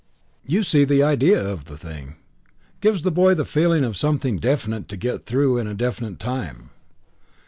"You see the idea of the thing. Gives the boy the feeling of something definite to get through in a definite time."